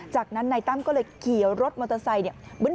จากนั้นนายตั้มก็เลยเขียวรถมอเตอร์ไซค์